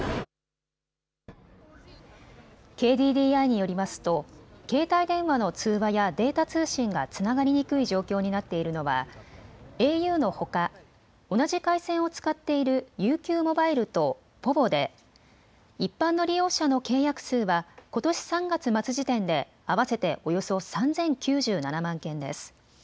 ＫＤＤＩによりますと携帯電話の通話やデータ通信がつながりにくい状況になっているのはａｕのほか同じ回線を使っているＵＱモバイルとｐｏｖｏで一般の利用者の契約数はことし３月末時点で合わせておよそ３０９７万件です。